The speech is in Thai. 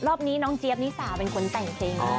รอบนี้น้องเจี๊ยบนิสาเป็นคนแต่งจริง